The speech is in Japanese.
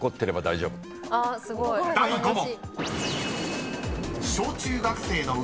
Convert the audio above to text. ［第５問］